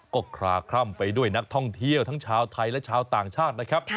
ก็คลาคล่ำไปด้วยนักท่องเที่ยวทั้งชาวไทยและชาวต่างชาตินะครับ